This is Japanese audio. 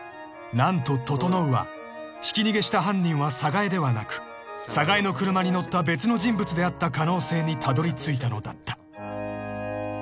［何と整はひき逃げした犯人は寒河江ではなく寒河江の車に乗った別の人物であった可能性にたどりついたのだった］